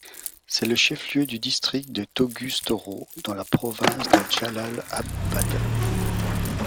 C'est le chef-lieu du district de Toguz-Toro, dans la province de Jalal-Abad.